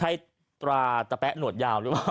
ใช่ตราตะแป๊ะหนวดยาวหรือเปล่า